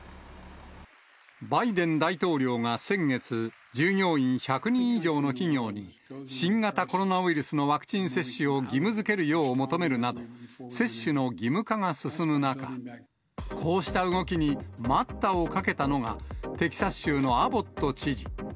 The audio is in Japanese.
バイデン大統領が先月、従業員１００人以上の企業に、新型コロナウイルスのワクチン接種を義務づけるよう求めるなど、接種の義務化が進む中、こうした動きに待ったをかけたのが、テキサス州のアボット知事。